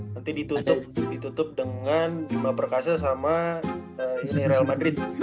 nanti ditutup ditutup dengan jumlah berkasa sama real madrid